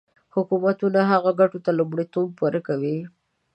حکومتونه هغو ګټو ته لومړیتوب ورکوي.